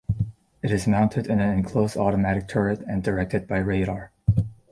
It is mounted in an enclosed automatic turret and directed by radar.